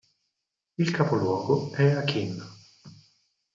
Il capoluogo è Aquin.